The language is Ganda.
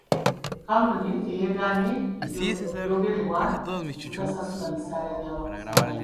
Kkampuni teyeegaanye byogerebwa ku butasasula misaala gya bakozi baayo.